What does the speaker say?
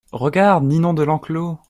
Regarde Ninon de Lenclos !